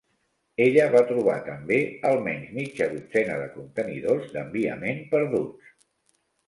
Ella va trobar també almenys mitja dotzena de contenidors d'enviament perduts.